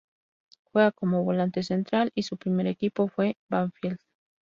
Juega como volante central y su primer equipo fue Banfield.